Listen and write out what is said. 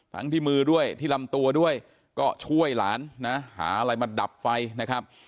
ที่มือด้วยที่ลำตัวด้วยก็ช่วยหลานนะหาอะไรมาดับไฟนะครับ